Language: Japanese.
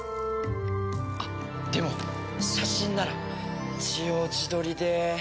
あっでも写真なら一応自撮りで。